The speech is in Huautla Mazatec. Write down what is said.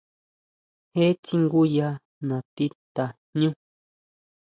Jee tsinguya natí tajñú.